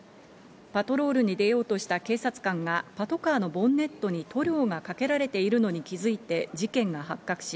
パトロールに出ようとした警察官がパトカーのボンネットに塗料がかけられているのに気づいて事件が発覚し、